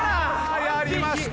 やりました！